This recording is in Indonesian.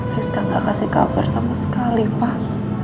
rizka gak kasih kabar sama sekali pak